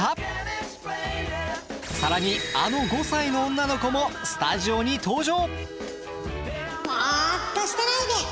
更にあの５歳の女の子もスタジオに登場！